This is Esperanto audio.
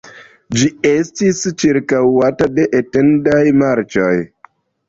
Ĝi estis ĉirkaŭata de etendaj marĉoj.